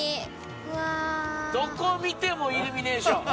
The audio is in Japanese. どこ見てもイルミネーション。